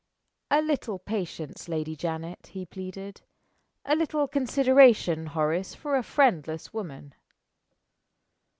"A little patience, Lady Janet," he pleaded. "A little consideration, Horace, for a friendless woman."